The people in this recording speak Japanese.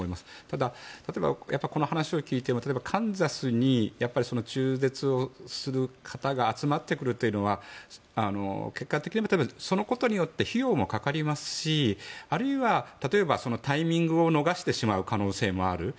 ただ、この話を聞いて例えばカンザスにやっぱり中絶をする方が集まってくるというのは結果的に例えばそのことによって費用もかかりますしあるいはタイミングを逃してしまう可能性もある。